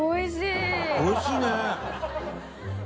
おいしいね。